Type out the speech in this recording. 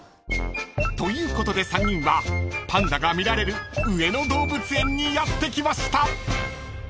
［ということで３人はパンダが見られる上野動物園にやって来ました］